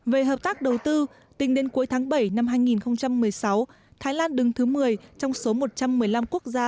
về hợp tác đầu tư tính đến cuối tháng bảy năm hai nghìn một mươi sáu thái lan đứng thứ một mươi trong số một trăm một mươi năm quốc gia